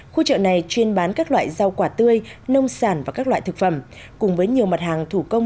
khu chợ này chuyên bán các loại rau quả tươi nông sản và các loại thực phẩm cùng với nhiều mặt hàng thủ công